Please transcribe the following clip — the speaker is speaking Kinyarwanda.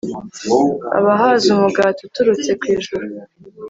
abahaza umugati uturutse ku ijuru